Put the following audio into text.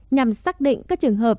nhằm xác định các trường hợp